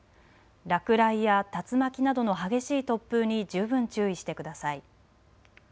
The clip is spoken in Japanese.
落雷や竜巻などの激しい突風に十分注意してください。